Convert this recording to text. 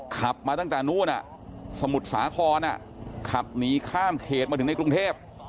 ขับมาตั้งแต่นู้นสมุทรสาครขับหนีข้ามเขตมาถึงในกรุงเทพ